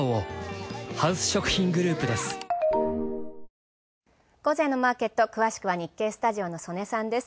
金曜日と土曜日は広く雨午前のマーケット詳しくは日経スタジオの曽根さんです。